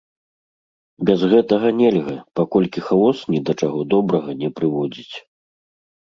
Без гэтага нельга, паколькі хаос ні да чаго добрага не прыводзіць.